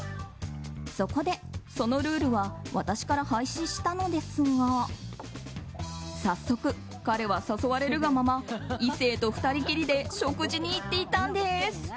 そこで、そのルールは私から廃止したのですが早速、彼は誘われるがまま異性と２人きりで食事に行っていたのです。